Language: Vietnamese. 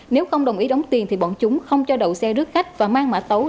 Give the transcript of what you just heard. nếu không đồng ý đóng tiền thì bọn chúng không cho đậu xe rước khách và mang mã tấu